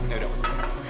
ya udah pak